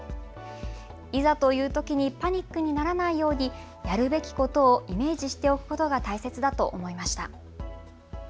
いざというときにパニックにならないように、やるべきことをイメージしておくことが大切だと思いました。